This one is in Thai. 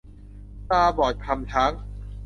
ตาบอดคลำช้าง